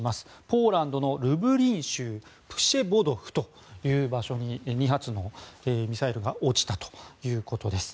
ポーランドのルブリン州プシェボドフという場所に２発のミサイルが落ちたということです。